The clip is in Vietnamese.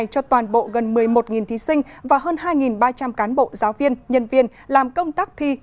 cho toàn bộ gần một mươi một thí sinh và hơn hai ba trăm linh cán bộ giáo viên nhân viên làm công tác thi